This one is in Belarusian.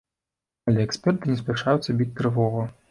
Але эксперты не спяшаюцца біць трывогу.